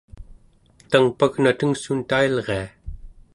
tang, pagna tengssuun tailria!